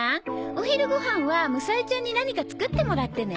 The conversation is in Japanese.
お昼ごはんはむさえちゃんに何か作ってもらってね。